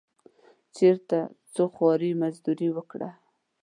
چېرته څه خواري مزدوري وکړه.